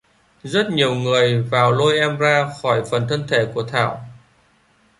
Rất nhiều người vào lôi em ra khỏi phần thân thể của thảo